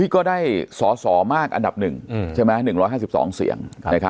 ก็ได้สอสอมากอันดับ๑ใช่ไหม๑๕๒เสียง